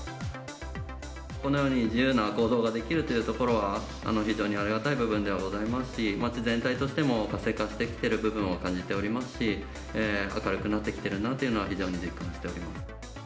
このように自由な行動ができるというところは、非常にありがたい部分ではございますし、街全体としても、活性化してきている部分を感じておりますし、明るくなってきてるなというのは、非常に実感しております。